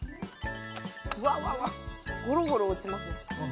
わーわーわーゴロゴロ落ちますね